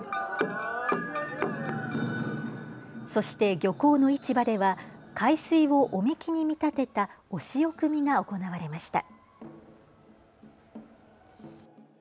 そして漁港の市場では海水をお神酒に見立てたお潮汲みが行われました。